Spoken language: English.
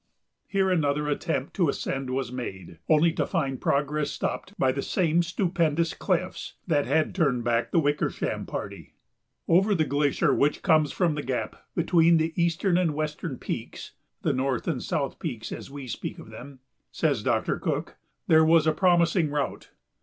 Here another attempt to ascend was made, only to find progress stopped by the same stupendous cliffs that had turned back the Wickersham party. "Over the glacier which comes from the gap between the eastern and western peaks" (the North and South Peaks as we speak of them), says Doctor Cook, "there was a promising route."